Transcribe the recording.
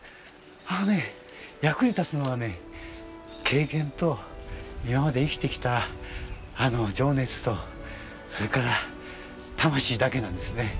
あのね、役に立つのはね経験と、今まで生きてきた情熱とそれから魂だけなんですね。